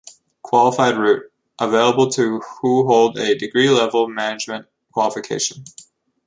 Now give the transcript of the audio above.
Qualified Route - Available to who hold a degree level management qualification.